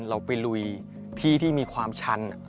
เราไปลุยพี่ที่มีความชัน